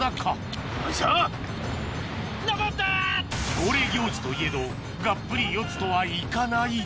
恒例行事といえどがっぷり四つとはいかない